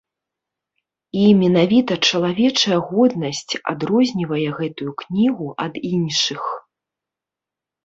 І менавіта чалавечая годнасць адрознівае гэтую кнігу ад іншых.